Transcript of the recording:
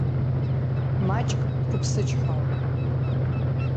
Маҷк дқәыԥсычҳауан.